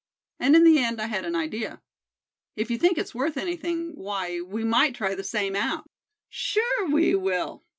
And in the end I had an idea. If you think it's worth anything, why, we might try the same out." "Sure we will!"